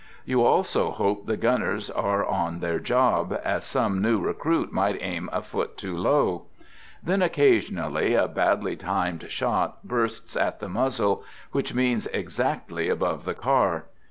You also hope the gunners are on to their job, as some new recruit might aim a foot too low! Then, occasionally, a badly timed THE GOOD SOLDIER" 113 shot bursts at the muzzle, which means exactly above the car.